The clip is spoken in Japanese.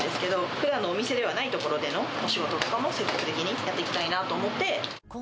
ふだんのお店ではない所でのお仕事とかも積極的にやっていきたいなと思って。